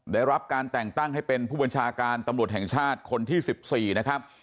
ได้รับการแต่งตั้งให้เป็นผู้บัญชาการตำรวจแห่งชาติคนที่๑๔นะครับ